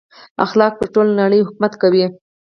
اخلاق پر ټوله نړۍ حکومت کوي.